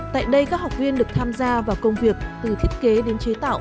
tại đây các học viên được tham gia vào công việc từ thiết kế đến chế tạo